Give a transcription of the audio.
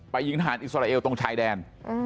หญิงทหารอิสราเอลตรงชายแดน